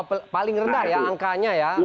paling rendah ya angkanya ya